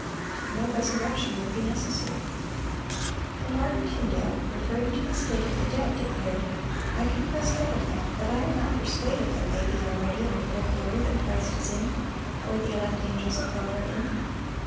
No resurrection would be necessary. The martyr Tyndale, referring to the state of the dead, declared: "I confess openly, that I am not persuaded that they be already in the full glory that Christ is in, or the elect angels of God are in.